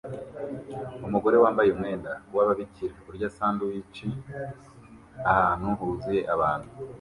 Umugore wambaye umwenda w'ababikira urya sandwich ahantu huzuye abantu